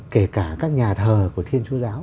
kể cả các nhà thờ của thiên chúa giáo